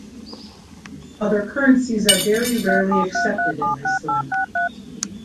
Other currencies are very rarely accepted in Iceland.